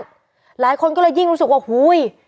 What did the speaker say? หลายคนก็เลยยิ่งรู้สึกว่าอุ้ย